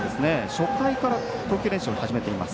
初回から投球練習を始めています。